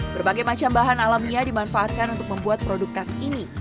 berbagai macam bahan alamiah dimanfaatkan untuk membuat produk khas ini